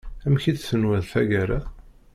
Amek i tt-tenwiḍ taggara.